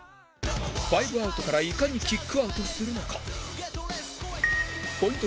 ファイブアウトからいかにキックアウトするのかポイント